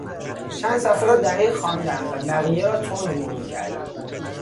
چند صفحه را دقیق خواندم و بقیه را تند مرور کردم.